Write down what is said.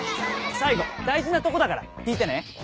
最後大事なとこだから聞いてね。